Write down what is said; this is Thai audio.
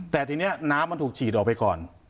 แต่ทีนี้น้ำมันถูกฉีดออกไปก่อน